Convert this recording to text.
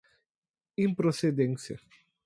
improcedência